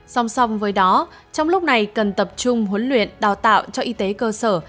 song song với đó trong lúc này cần tập trung huấn luyện đào tạo cho y tế cơ sở